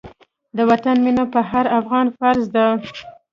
د وطن مينه په هر افغان فرض ده.